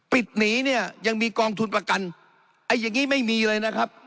ปิดหนีเนี่ยยังมีกองทุนประกันไอ้อย่างงี้ไม่มีเลยนะครับ